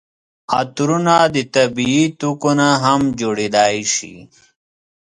عطرونه د طبیعي توکو نه هم جوړیدای شي.